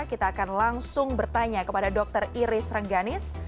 kita akan langsung bertanya kepada dr iris rengganis